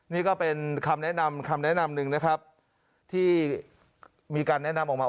นี่ก็เป็นคำแนะนำหนึ่งที่มีการแนะนำออกมา